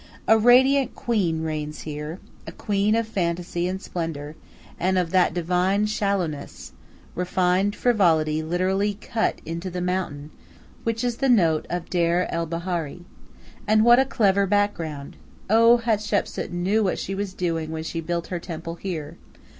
A radiant queen reigns here a queen of fantasy and splendor, and of that divine shallowness refined frivolity literally cut into the mountain which is the note of Deir el Bahari. And what a clever background! Oh, Hatshepsu knew what she was doing when she built her temple here.